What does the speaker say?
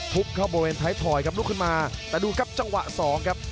เข้าบริเวณท้ายถอยครับลุกขึ้นมาแต่ดูครับจังหวะสองครับ